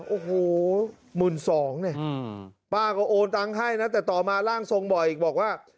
โอ้โห๑๒๐๐เนี่ยป้าก็โอนตังค์ให้นะแต่ต่อมาร่างทรงบอกอีกบอกว่า